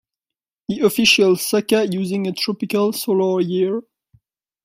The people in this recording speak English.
The official Saka using a tropical solar year.